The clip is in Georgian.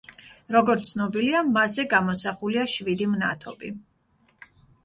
როგორც ცნობილია, მასზე გამოსახულია შვიდი მნათობი.